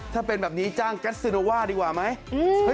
ถ้าเป็นแบบนี้จ้างแก๊สซิโนว่าดีกว่าไหม